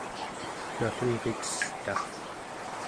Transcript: nallunritesta